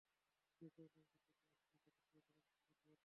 যে তরুণীর উপস্থিতি আপনি সেদিন পেয়েছিলেন, তার কথা বলছি।